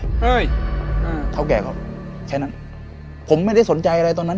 เฮ้ยอ่าเท่าแก่ครับแค่นั้นผมไม่ได้สนใจอะไรตอนนั้น